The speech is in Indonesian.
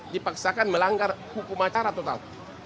dipaksakan melanggar hukum acara total